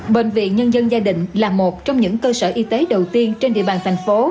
bệnh viện nhân dân gia đình là một trong những cơ sở y tế đầu tiên trên địa bàn tp hcm